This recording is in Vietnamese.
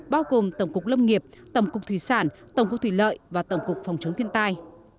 bao gồm tổng cục lâm nghiệp tổng cục thủy sản tổng cục thủy lợi và tổng cục phòng chống thiên tai